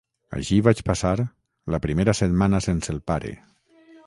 Així vaig passar la primera setmana sense el pare.